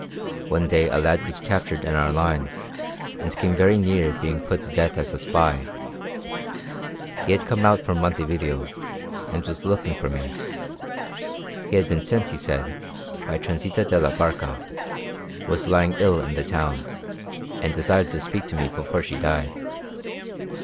One day a lad was captured in our lines, and came very near being put to death as a spy. He had come out from Montevideo, and was looking for me. He had been sent, he said, by Transita de la Barca, who was lying ill in the town, and desired to speak to me before she died.